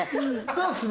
そうですね。